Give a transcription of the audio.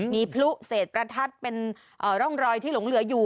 มีพลุเศษประทัดเป็นร่องรอยที่หลงเหลืออยู่